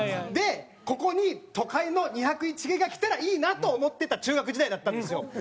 でここに都会の２０１系が来たらいいなと思ってた中学時代だったんですよ。